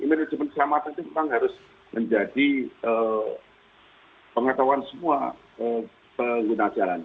manajemen keselamatan itu memang harus menjadi pengetahuan semua pengguna jalan